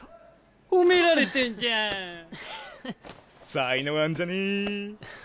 才能あんじゃねぇ？